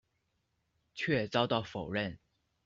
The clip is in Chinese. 却遭到否认。